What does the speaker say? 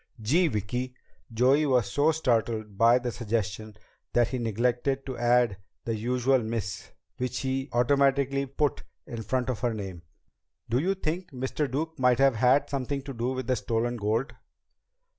"Gee, Vicki!" Joey was so startled by the suggestion that he neglected to add the usual "Miss" which he automatically put in front of her name. "Do you think Mr. Duke might have had something to do with the stolen gold?"